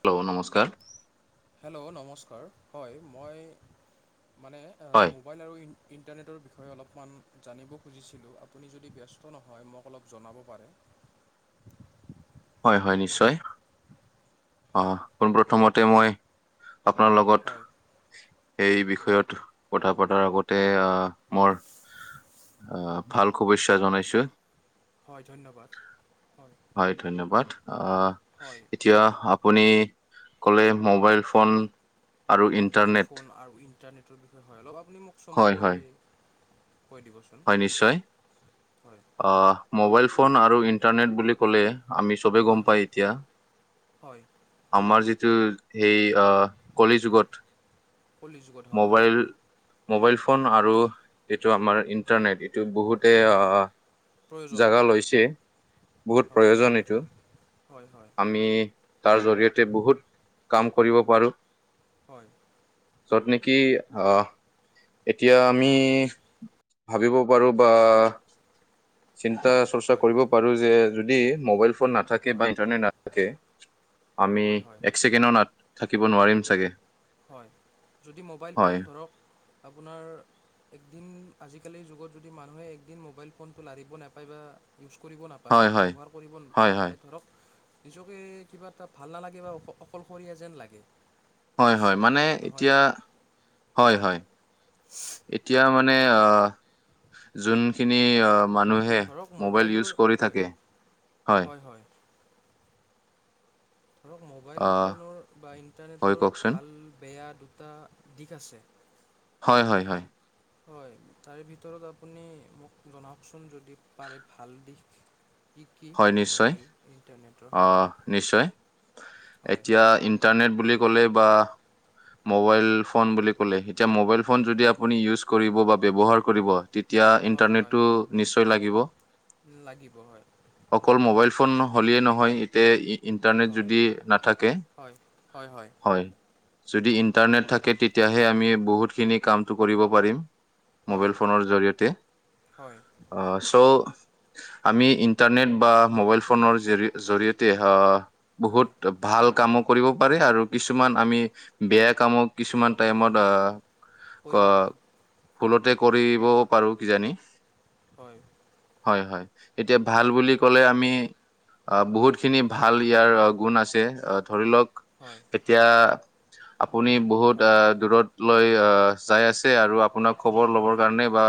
Hello নমস্কাৰ hello নমস্কাৰ হয় মই মানে হয় মোবাইল আৰু ই ইণ্টাৰনেটৰ বিষয়ে অলপমান জানিব খুজিছিলোঁ আপুনি যদি ব্যস্ত নহয় মোক অলপ জনাব পাৰে [unintelligible] হয় নিশ্চয় অ হয় পোনপ্ৰথমতে মই আপোনাৰ লগত হয় সেই বিষয়ত কথা পতাৰ আগতে আহ মোৰ আহ ভাল শুভেচ্ছা জনাইছো হয় ধন্যবাদ হয় ধন্যবাদ আহ হয় এতিয়া আপুনি ক'লে মোবাইল ফোন আৰু মোবাইল ইণ্টাৰনেট ফোন আৰু ইণ্টাৰনেটৰ বিষয়ে হয় অলপ আপুনি মোক হয় হয় চমুকৈ কৈ দিবচোন হয় নিশ্চয় হয় মোবাইল ফোন আৰু ইণ্টাৰনেট বুলি ক'লে আমি চবে হয় গম হয় পাই এতিয়া হয় আমাৰ যি যিটো সেই আহ কলি যুগত কলি যুগত হয় মোবাইল মোবাইল ফোন আৰু এইটো আমাৰ ইন্টাৰনেট এইটো বহুতে উম, প্ৰয়োজন জাগা লৈছে বহুত প্ৰয়োজন এইটো হয় হয় আমি তাৰ জৰিয়তে বহুত কাম কৰিব পাৰোঁ হয় যত নেকি আহ এতিয়া আমি হয় ভাবিব পাৰো বা চিন্তা চৰ্চা হয় কৰিব পাৰোঁ যে যদি মোবাইল ফোন নাথাকে হয় বা ইণ্টাৰনেট নাথাকে আমি হয় হয় এক ছেকেণ্ডও থাকিব নোৱাৰিম চাগে হয় যদি মোবাইল ফোন হয় ধৰক আপোনাৰ একদিন আজিকালিৰ যুগত যদি মানুহে একদিন মোবাইল ফোনটো লাৰিব নাপায় বা ইউজ কৰিব নাপায় হয় হয় ব্যৱহাৰ কৰিব হয় হয় নাপায় ধৰক নিজকে কিবা এটা ভাল নালাগে বা অ অকলশৰীয়া যেন লাগে হয়, হয়, নিশ্চয় মানে নহয় এতিয়া নেকি হয়, হয় এতিয়া মানে মানে অহ জোনখিনি মানুহে ধৰক মোবাইল উইজ মোবাইলৰ কৰি হয় থাকে। হয়, ধৰক মোবাইল আহ ফোনৰ বা হয় ইণ্টাৰনেটৰ কওকচোন ভাল বেয়া দুটা দিশ আছে হয় হয় হয় হয় তাৰে ভিতৰত আপুনি মোক জনাওকচোন যদি পাৰে ভাল দিশ কি কি হয় নিশ্চয় মোবাইল ইণ্টাৰনেটৰ হয় আহ নিশ্চয় হয়, এতিয়া ইণ্টাৰনেট বুলি ক'লে বা মোবাইল ফোন বুলি কলে এতিয়া মোবাইল ফোন যদি উইজ কৰিবৰ বাবে ব্যৱহাৰ হয়, কৰিব তেতিয়া হয়, হয়, ইণ্টাৰনেটটো নিশ্চই লাগিব। লাগিব হয়, অকল মোবাইল ফোন হ'লেই নহয় এতিয়া ইতে ইণ্টাৰনেট হয়, যদি নাথাকে হয়, হয়, হয়। যদি ইন্টাৰনেট থাকে তেতিয়াহে আমি বহুতখিনি কামটো কৰিব পাৰিম। হয়, মোবাইল ফোনৰ জৰিয়তে হয়, অহ চ' আমি ই ইণ্টাৰনেট বা মোবাইল ফোনৰ জৰিয়তে হওঁক হয়, বহুত ভাল কামক কৰিব পাৰে আৰু কিছুমান আমি বেয়া কামক কিছুমান বেয়া টাইমত অহ ক কৰিব পাৰোঁ, ভুলতে কৰিব পাৰোঁ কিজানি। হয় হয়। এতিয়া ভাল বুলি হয়, কলে আমি হয়, হয়, বহুতখিনি ভাল ইয়াৰ গুণ আছে। ধৰি লওক হয়, এতিয়া আপুনি বহুত হয়, দূৰ দূৰলৈ যাই আছে আৰু আপোনাক। খবৰ লব হয়, কাৰণে বা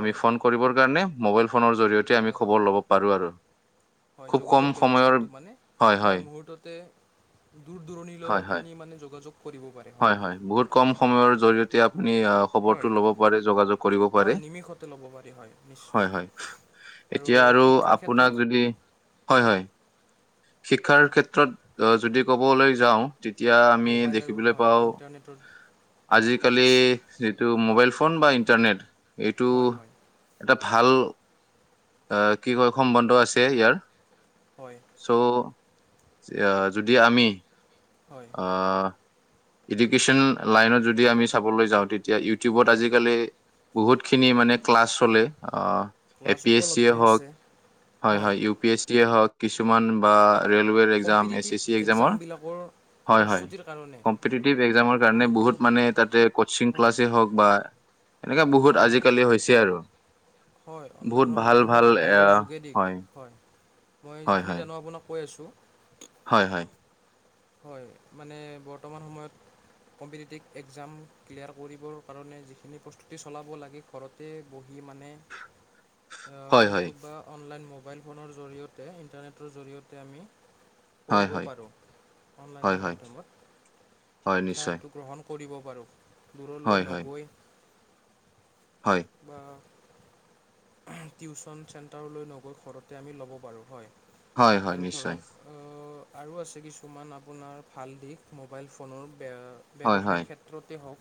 আমি ফোন কৰিব কাৰে মবাইল ফোনৰ জৰিয়তে। তেতিয়া আমি খবৰ হয়, ল'ব পাৰো আৰু হয় খুব কম যোগাযোগ সময়ৰ ব্যৱস্থাটো মানে হয় মুহূৰ্ততে দূৰ দূৰণিলৈ হয়, হয়, আপুনি মানে যোগাযোগ কৰিব পাৰে হয় হয় বহুত কম সময়ৰ জৰিয়তে আপুনি খবৰটো হয়, লব পাৰে যোগাযোগ কৰিব পাৰে হয়, নিমিষতে ল'ব পাৰি হয়, নিশ্চয়। হয় হয় এতিয়া আৰু শিক্ষাৰ আপোনাক ক্ষেত্ৰত যদি হয় হয় শিক্ষাৰ ক্ষেত্ৰত যদি ক'বলৈ যাওঁ তেতিয়া আমি মোবাইল আৰু দেখিবলৈ হয় পাওঁ ইণ্টাৰনেটৰ আজিকালি যিটো মোবাইল ফোন ফোন বা ইণ্টাৰনেট এইটো হয় হয় এটা ভাল অহ কি কয় সম্বন্ধ আছে ইয়াৰ হয় চৌ' যদি আমি হয় আহ এডুকেশ্যন লাইনত যদি আমি চাবলৈ যাওঁ তেতিয়া এতিয়া ইউটিউবত হয় আজিকালি বহুতখিনি হয় মানে ক্লাছ চলে অহ এ ক্লাছ পি এছ উপলব্ধ চিয়ে হওঁক আছে হয় হয় ইউ পি এছ চিয়ে হওঁক কিছুমান বা ৰেলৱেৰ exam S competitive S C এক্সামৰ একজামৰ বিলাকৰ প্ৰস্তুতিৰ কাৰণে কম্পিতিভ একজামৰ কাৰণে ইউটিউব বহুত মানে এটা তাতে কৌচিং হয় ক্লাছে হওঁক বা এনেককা বহুত হয় হয় আজিকালি হৈছে আৰু হয় বহুত অনলাইনৰ ভাল ভাল মাধ্যমত মোবাইলৰ আহ, যোগেদি হয় হয় মই হয় যিখিনি জানো আপোনাক কৈ আছো। হয় হয়। হয় মানে বৰ্তমান সময়ত। কম্পিটিটিভ একজাম ক্লিয়াৰ কৰিবৰ কাৰণে যিখিনি প্ৰস্তুতি চলাব লাগে ঘৰতে বহি কি মানে হয় হয় ইউটিউব বা অনলাইন মোবাইল ফোনৰ জৰিয়তে ইণ্টাৰনেটৰ জৰি়য়তে আমি হয় হয় কৰিব হয় পাৰো হয় অনলাইনৰ হয় মাধ্যমত হয় নিশ্চয় শিক্ষাটো গ্ৰহণ কৰিব পাৰো হয় দূৰলৈ হয় নগৈ হয় বা টিউচন চেন্টাৰলৈ নগৈ ঘৰতে আমি ল'ব পাৰো হয় হয় হয় আৰু নিশ্চয় ধৰক অ আৰু আছে কিছুমান আপোনাৰ ভাল দিশ মোবাইল ফোনৰ হয় হয় ব্যৱসায়ৰ ক্ষেত্ৰতে হওক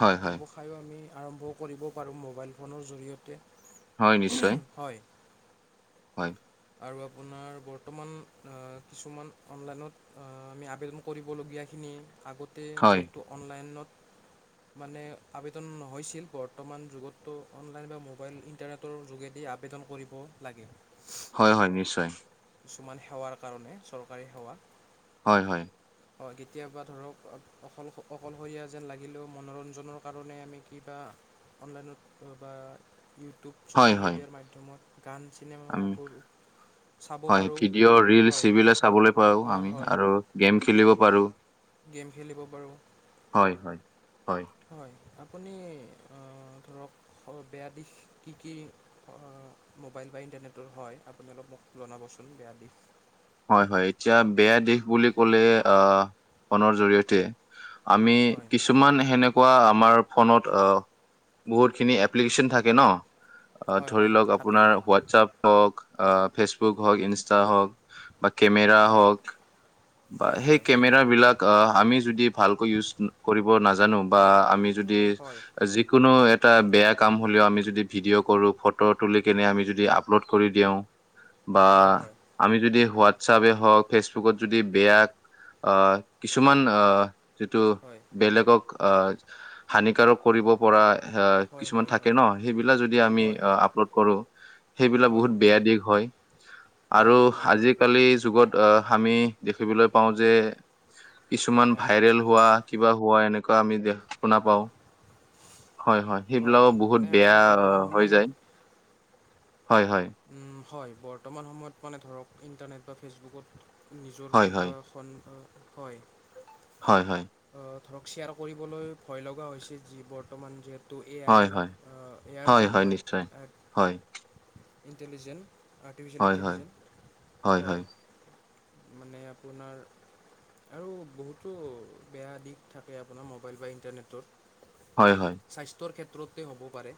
হয় হয় ব্যৱসায়ো আমি আৰম্ভ কৰিব পাৰোঁ মোবাইল ফোনৰ জৰিয়তে হয় নিশ্চয় হয় হয়, আৰু আপোনাৰ বৰ্তমান অহ কিছুমান অনলাইনত অহ আমি আবেদন কৰিবলগীয়াখিনি আগতে হয়, যিহেতু অনলাইনত [inaudible] মানে আবেদন নহৈছিল বৰ্তমান যুগতো অনলাইন বা মোবাইল ইণ্টাৰনেটৰ যোগেদি আবেদন কৰিব লাগে হয় হয় নিশ্চয় কিছুমান সেৱাৰ কাৰণে চৰকাৰী সেৱা হয় হয় হয় কেতিয়াবা ধৰক অকল অকলশৰীয়া যেন লাগিলেও মনোৰঞ্জনৰ কাৰণে আমি কিবা অনলাইনত বা ইউটিউব হয়, ছ'চিয়েল হয়, মিডিয়াৰ মাধ্যমত গান আমি চিনেমাবোৰ চাব হয় পাৰোঁ ভিডিঅ' ৰিল হয় চিবিলা চাবলৈ পাওঁ হয় আমি হয় আৰু গেম খেলিব পাৰো গেম খেলিব পাৰো হয় হয় হয় আ আপুনি ধৰক বেয়া দিশ কি কি মোবাইল বাই ইণ্টাৰনেটৰ হয় আপুনি অলপ মোক জনাবচোন বেয়া দিশ হয় হয় এতিয়া বেয়া দিশ বুলি ক'লে আহ ফোনৰ জৰিয়তে আমি হয় কিছুমান সেনেকোৱা আমাৰ ফোনত অ বহুতখিনি এপ্লিকেশচন থাকে ন হয় ধৰি হয় লওক থাকে আপোনাৰ হয় হোৱাটছাপ হওক আহ ফেচবুক হওক ইনষ্টা হওঁক বা কেমেৰা হয় হক বা হয় সেই হয় কেমেৰাবিলাক আমি যদি ভালকৈ ইউজ কৰিব নাজানো বা আমি যদি হয় হয় যিকোনো এটা বেয়া কাম হ'লেও আমি যদি ভিডিঅ' কৰো ফটো তুলি কেনে আমি যদি আপলোড কৰি দিও বা হয় আমি যদি হোৱাটছাপে হওক ফেচবুকত যদি বেয়া আহ কিছুমান আহ যিটো হয় বেলেগক আহ হানিকাৰক কৰিব পৰা হয় হয় কিছুমান হে হয় থাকে ন সেইবিলাক যদি আমি হয় হয় আপলোড কৰো সেইবিলোকো হয় বহুত বেয়া দিশ হয় বেয়া আৰু দিশ হয় হয় আজিকালি যুগত আহ আমি দেখিবলৈ পাওঁ যে কিছুমান হয় ভাইৰেল হোৱা কিবা হোৱা এনেকোৱা আমি দে শুনা হয় পাওঁ হয় হয় সেইবিলাকো বহুত মানে বেয়া আজি বৰ্তমান হৈ সময়ত যায় হয় হয় উম, হয় বৰ্তমান সময়ত মানে ধৰক ইণ্টাৰনেট বা ফেচবুকত নিজৰ হয় হয়। কিবা এখন হয় হয় হয় ধৰক শ্বেয়াৰ কৰিবলৈ ভয় লগা হৈছে যি বৰ্তমান যিহেতু ত' এ হয় আইৰ হয় এ আইৰ যুগ হয় হয় এক ইণ্টেলিজেণ্ট আৰ্টিফিচিয়েল হয় হয় ইণ্টেলিজেন্ট হয় মানে আপোনাৰ আৰু বহুতো বেয়া দিশ থাকে আপোনাৰ মোবাইল বা হয় হয় ইণ্টাৰনেটত স্বাস্থ্যৰ ক্ষেত্ৰতে হ'ব পাৰে।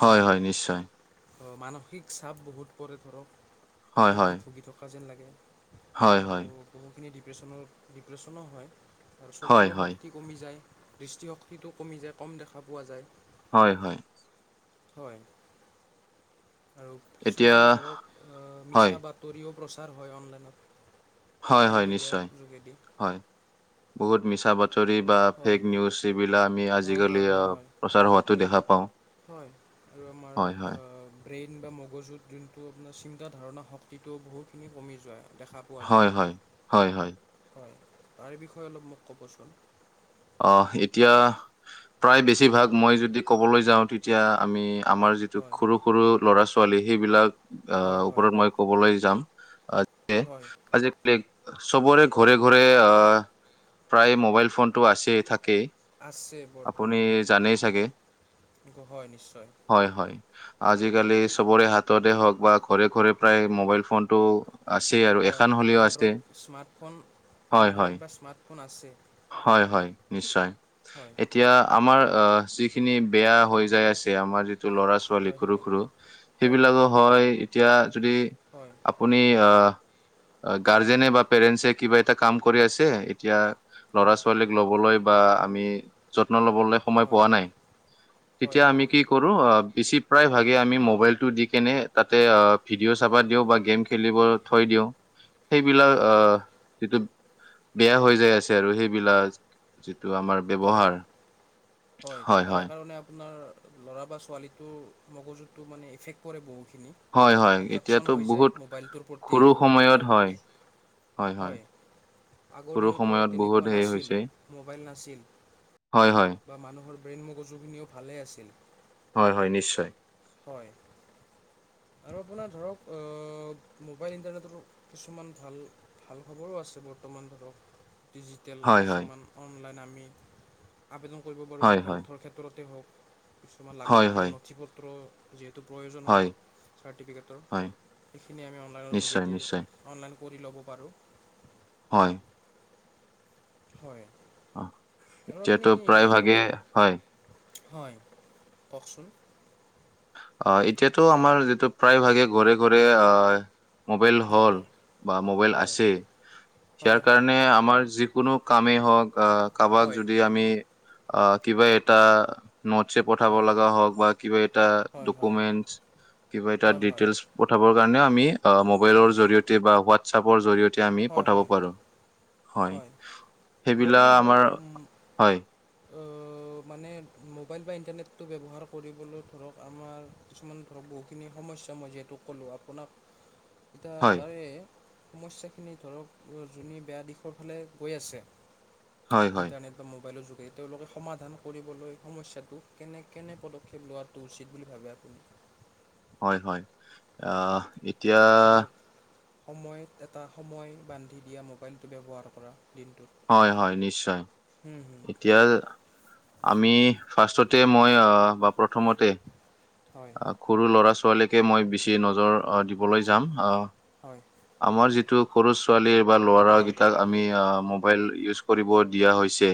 হয় হয় নিশ্চয় মানসিক চাপ বহুত পৰে ধৰক হয় হয় অশান্তিত ভুগি থকা যেন লাগে হয় হয় সেইখিনি ডিপ্ৰেশ্যনৰ ডিপ্ৰেশ্যনো হয় আৰু হয় চকুৰো হয় শক্তি কমি যায় দৃষ্টিশক্তিটো কমি যায় কম দেখা পোৱা যায় হয় হয় হয় আৰু এতিয়া কিছুমান ধৰক হয় মিছা বাতৰিও প্ৰচাৰ হয় অনলাইনত হয় হয় ছ'চিয়েল নিশ্চয় মিডিয়াৰ যোগেদি হয় বহুত মিছা বা বাতৰি বা হয় ফেক নিউজ এইবিলাক আমি হয় হয় আজিকালি হয় হয় প্ৰচাৰ হোৱাতো দেখা পাওঁ হয় আৰু আমাৰ হয় হয় ব্ৰেইন বা মগজুত যোনটো আপোনাৰ চিন্তাধাৰণা শক্তিটো বহুতখিনি কমি যায় দেখা পোৱা হয় হয় হয় হয় হয় তাৰ বিষয়ে অলপ মোক ক'বচোন অ এতিয়া প্ৰায় বেছিভাগ মই যদি ক'বলৈ যাওঁ তেতিয়া আমি আমাৰ যিটো হয় সৰু সৰু ল'ৰা ছোৱালী সেইবিলাক আহ হয় হয় ওপৰত মই ক'বলৈ যাম আহ যে হয় আজিকালি চবৰে ঘৰে ঘৰে প্ৰায় মোবাইল ফোনতটো আছে থাকেই আছে আপুনি বৰ্তমান জানেই চাগে হয় হয় নিশ্চয় হয় হয় আজ আজিকালি চবৰে হাততে হওক বা ঘৰে ঘৰে প্ৰায় মোবাইল ফোনটো আছেই আৰু হয় এখন হ'লেও আছে এনড্ৰইড স্মাৰ্টফোন হয় হয় এনড্ৰইড বা স্মাৰ্টফোন আছে। হয় হয় নিশ্চয় হয় এতিয়া আমাৰ অ যিখিনি বেয়া হৈ যায় আছে আমাৰ যটো ল'ৰা ছোৱালী হয় সৰু হয় সৰু সেইবিলাকো হয় এতিয়া যদি হয় আপুনি আহ গাৰ্জেন হয় বা পেৰেন্টছে কিবা এটা কাম কৰি আছে এতিয়া লৰা হয় ছোৱালীক লবলৈ য আমি যত্ন লবলে সময় হয় পোৱা নাই হয়, তেতিয়া আনিকি কৰো বেছি প্ৰায় ভাগে আমি মোবাইলতটো দি কেনে তাতে ভিডিঅ' চাবা দিও বা গেম খেলিব থৈ দিওঁ। [unintelligible] সেইবিলাক হয়, হয়, আহ যিটো বেয়া হৈ যাই আছে আৰু সেইবিলাক টো আমাৰ হয়, ব্যৱহাৰ হয় তাৰে হয় কাৰণে আপোনাৰ ল'ৰা বা ছোৱালীটোৰ মগজুততটো মানে এফেক্ট কৰে বহুত খিনি হয় হয় এট্ৰোকশ্যন এতিয়াতো হৈ যায় বহুত মোবাইলটোৰ প্ৰতি সৰু বহুত সময়ত হয় তেওঁলোকে হয় হয় আগৰ সৰু দিনতো সময়ত বহুত তেনেকুৱা হেৰি নাছিল হৈছে মোবাইল নাছিল হয় হয় বা মানুহৰ ব্ৰেইন মগজুখিনিও ভালেই আছিল হয় হয় নিশ্চয় হয় আৰু আপোনাৰ ধৰক মোবাইল ইণ্টাৰনেটৰ কিছুমান ভাল ভাল খবৰো আছে বৰ্তমান ধৰ ডিজিটেল হয় হয় কিছুমান অনলাইন আমি আবেদন কৰিব পাৰোঁ হয় হয় হেল্থৰ ক্ষেত্ৰতে হওক কিছুমান হয় লাগতিয়াল হয় নথি পত্ৰ যিহেতু প্ৰয়োজন হয় চাৰ্টিফিকেটৰ হয় এইখিনি আমি অনলাইনৰ নিশ্চয় যোগেদি নিশ্চয় অনলাইন কৰি ল'ব পাৰোঁ হয় হয় আৰু আপুনি এতিয়াতটো প্ৰায় ভাগে হয় হয় কওকচোন অ এতিয়াতো আমাৰ যিটো প্ৰায় ভাগে ঘৰে ঘৰে আহ মোবাইল হয় হল হয় বা মোবাইল হয় আছে ইয়াৰ হয় কাৰণে আমাৰ যি কোনো কামেই হওঁক আহ কাৰোবাক হয় যদি আমি আহ কিবা এটা নোটছে পঠাব হয় লগা হওক বা কিবা এটা হয় হয় হয় ডকুমেন্টচ কিবা এটা হয় হয় ডিটেইলছ পঠাবৰ কাৰণে আমি মোবাইলৰ হয় জৰিয়তে বা হোৱাটছপৰ জৰিয়তে আমি হয় পঠাব হয় পাৰোঁ হয় সেইবিলাক বৰ্তমান ধৰক আমাৰ হয় মানে মোবাইল বা ইণ্টাৰনেটটো ব্যৱহাৰ কৰিবলৈ ধৰক আমাৰ কিছুমান ধৰক বুখিন সম্যা নিশ্চয় মই যিহেতু ক'লোঁ আপোনাক [inaudible] এতিয়া তাৰে সমস্যা ধৰক তোমি বেয়া দিশৰ ফালে গৈ আছে হয় হয় ইণ্টাৰনেট বা মবাইলৰ যোগ গ তেওঁলোকে সমাধান কৰিবলৈ সমস্যাটো কেনে কেনে পদক্ষেপ লোৱাটো উচিত বুলি ভাবে আপুনি হয় হয় আহ এতিয়া ধৰক সময়ত এটা সময় বান্ধি দিয়া মোবাইলটো ব্যৱহাৰ কৰা দিন নিশ্চয় এতিয়া হয় আমি মই বা প্ৰথমতে হয় সৰু ল'ৰা ছোৱালীকে মই বেছি নজৰ দিবলৈ যাম হয় আমাৰ যিটো সৰু ছোৱালীৰ বা ল'ৰাকেইটাক আমি মোবাইল ইউজ কৰিব দিয়া হৈছে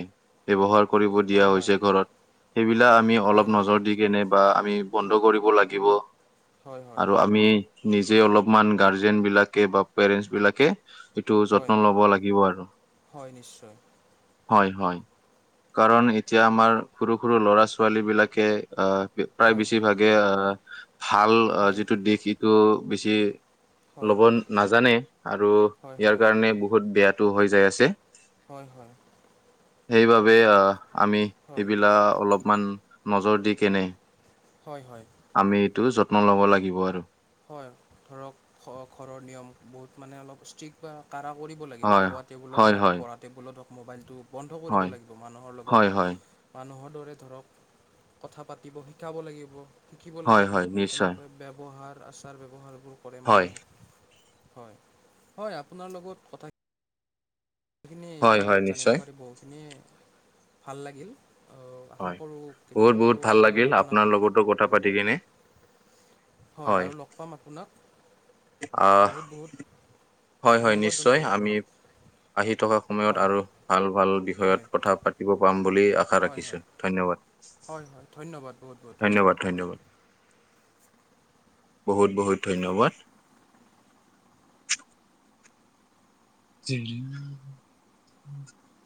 ব্যৱহাৰ কৰিব দিয়া হয় হয় হৈছে ঘৰত সেইবিলাক আমি অলপ হয় হয় নজৰ দি কেনে বা আমি বন্ধ কৰিব লাগিব হয় হয় আৰু আমি নিজ যে অলপমান গাৰ্জেন বিলাকে বা পেৰেন্টছ বিলাকে এইটো যত্ন হয় লব লাগিব আৰু হয় নিশ্চয় হয় হয় কাৰণ এতিয়া আমাৰ সৰু সৰু ল'ৰা ছোৱালী বিলাকে আহ প্ৰায় হয় বেছিভাগে আহ ভাল হয় যিটো দিশ সটো বেছি হয় ল'ব নাজানে আৰু হয় ইয়াৰ হয় কাৰণে বহুত বেয়াটো হৈ যাই আছে হয় হয় সেইবাবে আমি হয় সেইবিলাক অলপমান নজৰ দি কেনে হয় হয় আমি এইটো যত্ন লব লাগিব আৰু হয় ধৰক ঘৰৰ নিয়ম বহুত মানে অলপ ষ্ট্ৰিকট বা কাৰা কৰিব লাগিব হয় খোৱা টেবুলত হয় হওক হয় পঢ়া টেবুলত হওক মোবাইলটো বন্ধ কৰিব হয় লাগিব মানুহৰ হয় লগত হয় মানুহত ধৰ কথা পাতিব শিকাব লাগিব শিকিব হয় হয় নিশ্চয় লাগিবক আচাৰ ব্যৱহাৰবোৰ কৰে হয় মানুহক হয় হয় আপোনাৰ লগত কথা হয় তমাৰ হয় লগত জানিব নিশ্চয় পাৰি বহুখিনি ভাল লাগিল আহ, আশা হয় কৰোঁ বহুত কেতি- বহুত আৰু ভাল আগলৈ লাগিল আপোনাক আপোনাৰ লগতো কথা লগত পাতি কিনে হয় আৰু লগ পাম আপোনাক আহ বহুত বহুত হয় হয় ধন্যবাদ নিশ্চয় জনালোঁ আমি আপোনাক আহি থকা সময়ত হয় আৰু ভাল ভাল বি ভয়ত হয় কথা পাতিব পাম বুলি আশা হয় ৰাখিছো হয় ধন্যবাদ হয় হয় ধন্যবাদ। বহুত বহুত ধন্যবাদ ধন্যবাদ বহুত বহুত ধন্যবাদ উম